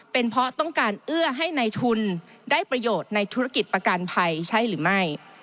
เป็นเพราะต้องการเอื้อให้ในทุนได้ประโยชน์ในธุรกิจประกันภัยใช่หรือไม่